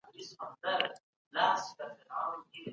کله به حکومت ډیپلوماټ په رسمي ډول وڅیړي؟